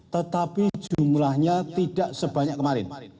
tetapi jumlahnya tidak sebanyak kemarin